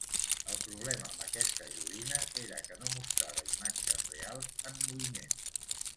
El problema amb aquesta joguina, era que no mostrava imatges reals en moviment.